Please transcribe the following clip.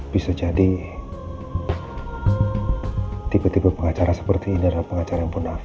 bisa jadi tipe tipe pengacara seperti ini adalah pengacara yang bonafit